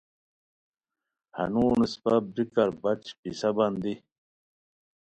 ہنون اسپہ بریکار بچ پیِسہ بندی